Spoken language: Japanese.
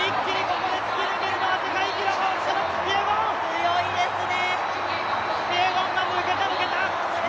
強いですね。